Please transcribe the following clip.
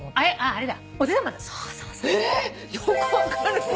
あれだ！